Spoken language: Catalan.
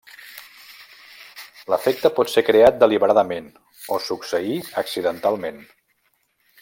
L'efecte pot ser creat deliberadament, o succeir accidentalment.